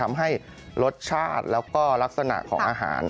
ทำให้รสชาติแล้วก็ลักษณะของอาหาร